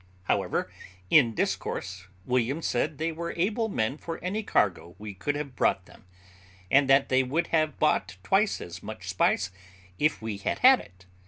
However, in discourse, William said they were able men for any cargo we could have brought them, and that they would have bought twice as much spice if we had had it.